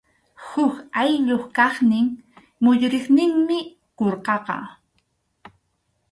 Huk ayllup kaqnin muyuriqninmi qurqaqa.